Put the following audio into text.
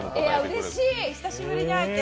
うれしい、久しぶりに会えて。